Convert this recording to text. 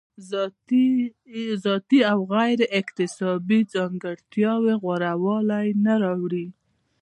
ذاتي او غیر اکتسابي ځانګړتیاوې غوره والی نه راوړي.